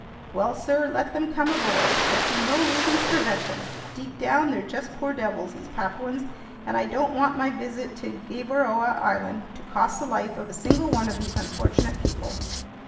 "Well, sir, let them come aboard. I see no reason to prevent them. Deep down they're just poor devils, these Papuans, and I don't want my visit to Gueboroa Island to cost the life of a single one of these unfortunate people!"